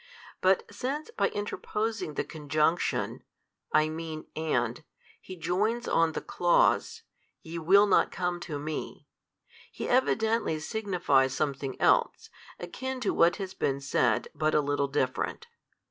But since by interposing the conjunction (I mean, And) He joins on the clause, Ye will not come to Me, He evidently signifies something else, akin to what has been said, but a little different.